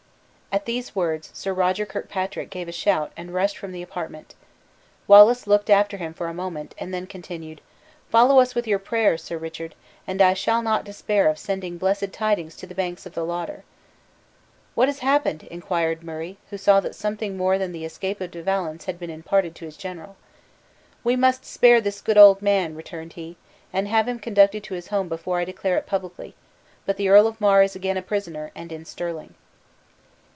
At these words, Sir Roger Kirkpatrick gave a shout and rushed from the apartment. Wallace looked after him for a moment, and then continued: "Follow us with your prayers, Sir Richard; and I shall not despair of sending blessed tidings to the banks of the Lauder." "What has happened?" inquired Murray, who saw that something more than the escape of De Valence had been imparted to his general. "We must spare this good old man," returned he, "and have him conducted to his home before I declare it publicly; but the Earl of Mar is again a prisoner, and in Stirling."